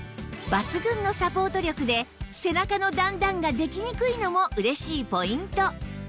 抜群のサポート力で背中の段々ができにくいのも嬉しいポイント